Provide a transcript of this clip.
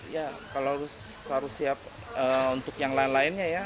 ya kalau harus siap untuk yang lain lainnya ya